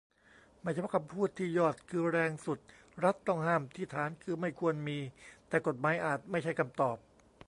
ไม่เฉพาะคำพูด ที่ยอดคือแรงสุด รัฐต้องห้าม ที่ฐานคือไม่ควรมี แต่กฎหมายอาจไม่ใช่คำตอบ